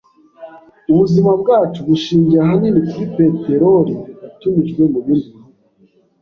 Ubuzima bwacu bushingiye ahanini kuri peteroli yatumijwe mubindi bihugu.